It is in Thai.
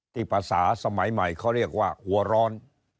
ที่ภาษาสมัยใหม่เขาเรียกว่าหัวร้อน